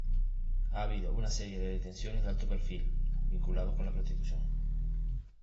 Ha habido una serie de detenciones de alto perfil, vinculados con la prostitución.